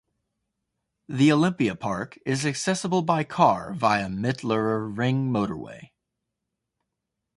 The Olympiapark is accessible by car via Mittlerer Ring motorway.